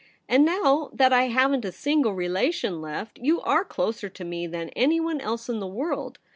And now that I haven't a single relation left, you are closer to me than anyone else In the world.